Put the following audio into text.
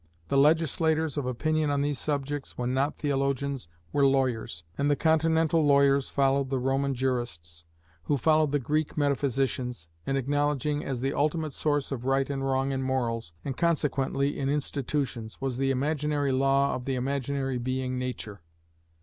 The legislators of opinion on these subjects, when not theologians, were lawyers: and the Continental lawyers followed the Roman jurists, who followed the Greek metaphysicians, in acknowledging as the ultimate source of right and wrong in morals, and consequently in institutions, the imaginary law of the imaginary being Nature.